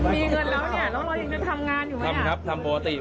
มีเงินแล้วเนี่ยรึท่วยังจะทำงานอย่างไร